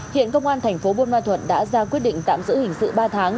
hiện công an tp buông ma thuận đã ra quyết định tạm giữ hình sự ba tháng